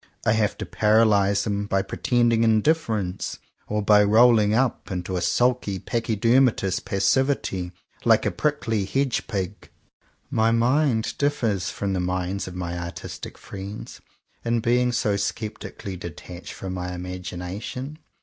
I have to paralyze him by pretended indifference, or by rolling up into a sulky pachydermatous passivity, like a prickly hedge pig. 163 CONFESSIONS OF TWO BROTHERS My mind differs from the minds of my artistic friends in being so sceptically detached from my imagination.